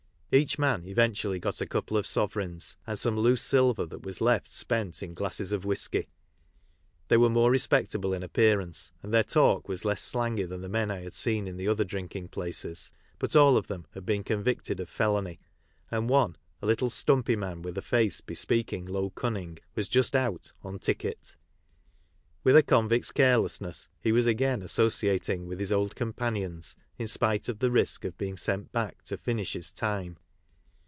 Each man Even tually got a couple of sovereigns, and some loose silver that was left was spent in glasses of whisky. They were more respectable in appearance, and their talk was less slangy than the men I had seen in the other drinking places, but all of them had been convicted of felony, and one, a little stumpy man, with a face bespeaking low cunning, was just out " on ticket." With a convict's carelessness, he was again associating with his old companions in spite of the risk of being sent back to finish his time.